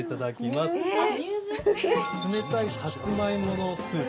冷たいさつまいものスープ